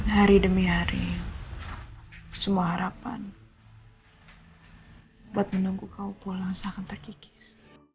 hari demi hari semua harapan buat menunggu kau pulang seakan terkikis